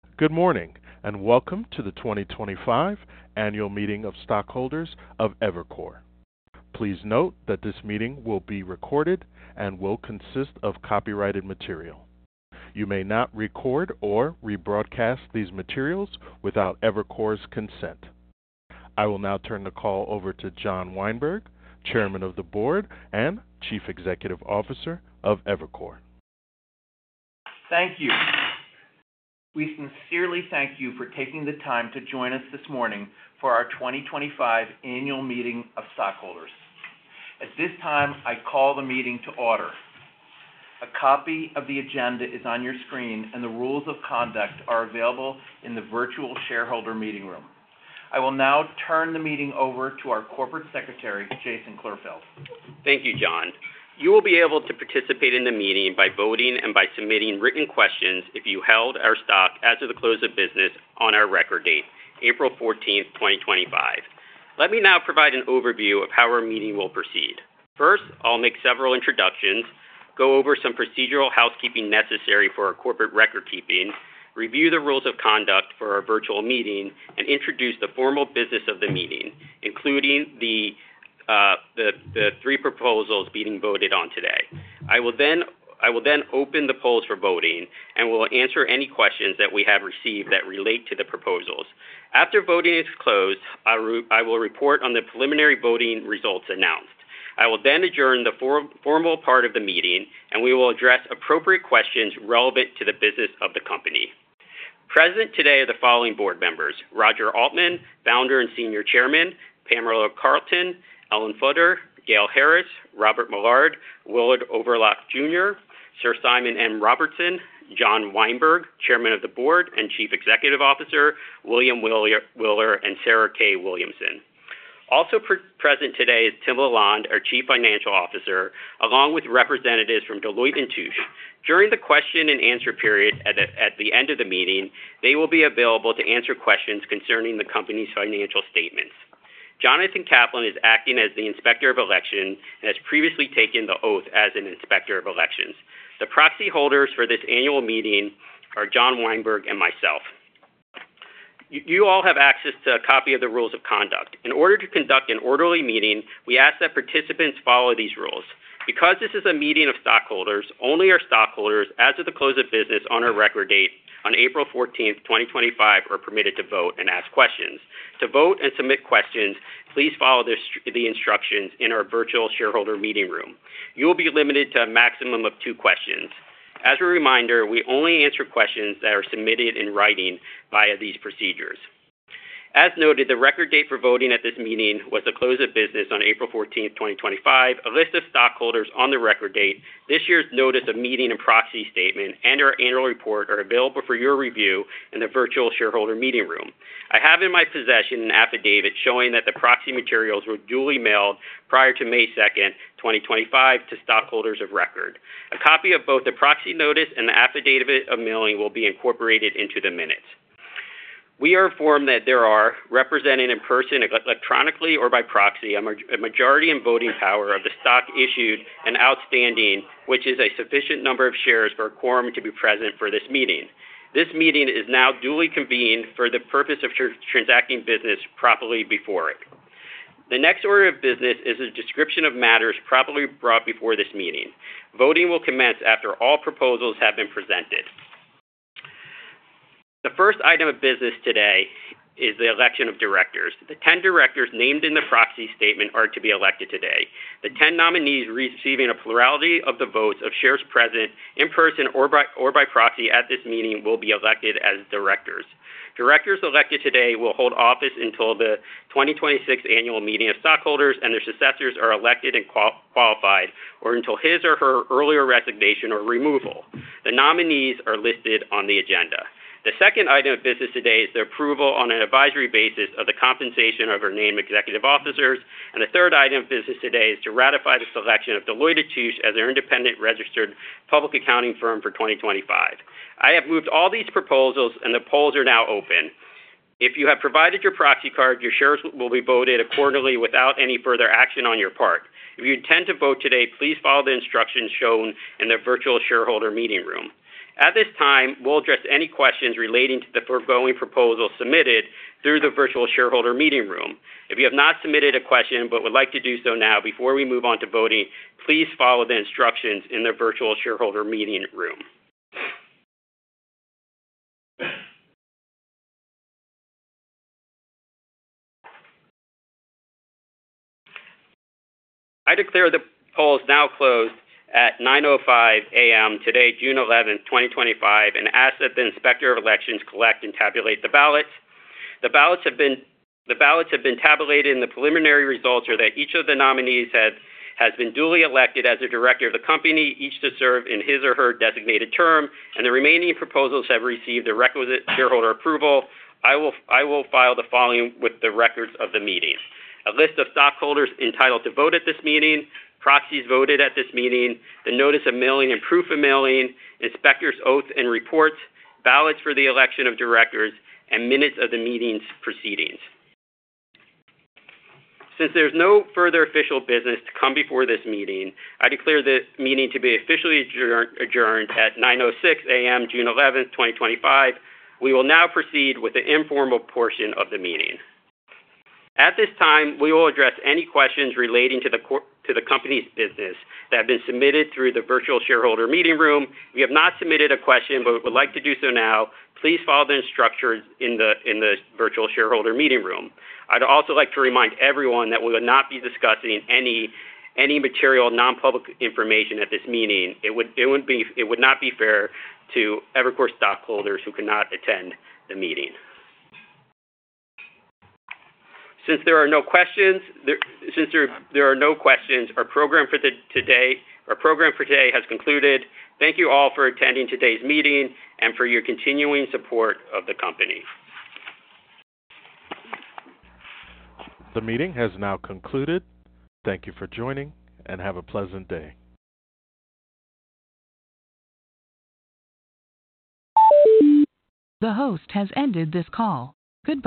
Good morning, and welcome to the 2025 Annual Meeting of Stockholders of Evercore. Please note that this meeting will be recorded and will consist of copyrighted material. You may not record or rebroadcast these materials without Evercore's consent. I will now turn the call over to John Weinberg, Chairman of the Board and Chief Executive Officer of Evercore. Thank you. We sincerely thank you for taking the time to join us this morning for our 2025 Annual Meeting of Stockholders. At this time, I call the meeting to order. A copy of the agenda is on your screen, and the rules of conduct are available in the virtual shareholder meeting room. I will now turn the meeting over to our Corporate Secretary, Jason Klurfeld. Thank you, John. You will be able to participate in the meeting by voting and by submitting written questions if you held our stock as of the close of business on our record date, April 14th, 2025. Let me now provide an overview of how our meeting will proceed. First, I'll make several introductions, go over some procedural housekeeping necessary for our corporate record keeping, review the rules of conduct for our virtual meeting, and introduce the formal business of the meeting, including the three proposals being voted on today. I will then open the polls for voting and will answer any questions that we have received that relate to the proposals. After voting is closed, I will report on the preliminary voting results announced. I will then adjourn the formal part of the meeting, and we will address appropriate questions relevant to the business of the company. Present today are the following board members: Roger Altman, Founder and Senior Chairman; Pamela Carlton; Ellen Futter; Gail Harris; Robert Millard; Willard Overlock, Jr.; Sir Simon M. Robertson; John Weinberg, Chairman of the Board and Chief Executive Officer; William Wheeler; and Sarah K. Williamson. Also present today is Tim LaLonde, our Chief Financial Officer, along with representatives from Deloitte & Touche. During the question-and-answer period at the end of the meeting, they will be available to answer questions concerning the company's financial statements. Jonathan Kaplan is acting as the Inspector of Elections and has previously taken the oath as an Inspector of Elections. The proxy holders for this annual meeting are John Weinberg and myself. You all have access to a copy of the rules of conduct. In order to conduct an orderly meeting, we ask that participants follow these rules. Because this is a meeting of stockholders, only our stockholders, as of the close of business on our record date on April 14th, 2025, are permitted to vote and ask questions. To vote and submit questions, please follow the instructions in our virtual shareholder meeting room. You will be limited to a maximum of two questions. As a reminder, we only answer questions that are submitted in writing via these procedures. As noted, the record date for voting at this meeting was the close of business on April 14th, 2025. A list of stockholders on the record date, this year's notice of meeting and proxy statement, and our annual report are available for your review in the virtual shareholder meeting room. I have in my possession an affidavit showing that the proxy materials were duly mailed prior to May 2nd, 2025, to stockholders of record. A copy of both the proxy notice and the affidavit of mailing will be incorporated into the minutes. We are informed that there are, represented in person, electronically or by proxy, a majority in voting power of the stock issued and outstanding, which is a sufficient number of shares for a quorum to be present for this meeting. This meeting is now duly convened for the purpose of transacting business properly before it. The next order of business is a description of matters properly brought before this meeting. Voting will commence after all proposals have been presented. The first item of business today is the election of directors. The 10 directors named in the proxy statement are to be elected today. The 10 nominees receiving a plurality of the votes of shares present in person or by proxy at this meeting will be elected as directors. Directors elected today will hold office until the 2026 Annual Meeting of Stockholders and their successors are elected and qualified, or until his or her earlier resignation or removal. The nominees are listed on the agenda. The second item of business today is the approval on an advisory basis of the compensation of our named executive officers. The third item of business today is to ratify the selection of Deloitte & Touche as our independent registered public accounting firm for 2025. I have moved all these proposals, and the polls are now open. If you have provided your proxy card, your shares will be voted accordingly without any further action on your part. If you intend to vote today, please follow the instructions shown in the virtual shareholder meeting room. At this time, we'll address any questions relating to the foregoing proposal submitted through the virtual shareholder meeting room. If you have not submitted a question but would like to do so now before we move on to voting, please follow the instructions in the virtual shareholder meeting room. I declare the polls now closed at 9:05 A.M. today, June 11th, 2025, and ask that the Inspector of Elections collect and tabulate the ballots. The ballots have been tabulated in the preliminary results so that each of the nominees has been duly elected as a director of the company, each to serve in his or her designated term, and the remaining proposals have received the requisite shareholder approval. I will file the following with the records of the meeting: a list of stockholders entitled to vote at this meeting, proxies voted at this meeting, the notice of mailing and proof of mailing, inspectors' oaths and reports, ballots for the election of directors, and minutes of the meeting's proceedings. Since there is no further official business to come before this meeting, I declare the meeting to be officially adjourned at 9:06 A.M., June 11th, 2025. We will now proceed with the informal portion of the meeting. At this time, we will address any questions relating to the company's business that have been submitted through the virtual shareholder meeting room. If you have not submitted a question but would like to do so now, please follow the instructions in the virtual shareholder meeting room. I'd also like to remind everyone that we will not be discussing any material non-public information at this meeting. It would not be fair to Evercore stockholders who cannot attend the meeting. Since there are no questions, our program for today has concluded. Thank you all for attending today's meeting and for your continuing support of the company. The meeting has now concluded. Thank you for joining, and have a pleasant day. The host has ended this call. Good.